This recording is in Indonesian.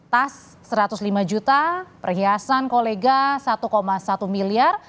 tas satu ratus lima juta perhiasan kolega satu satu miliar